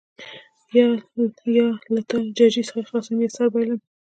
یا تا له ججې څخه خلاصوم یا سر بایلم.